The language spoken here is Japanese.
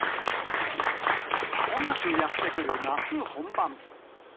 まもなくやって来る夏本番。